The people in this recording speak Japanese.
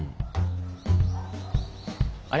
あれ？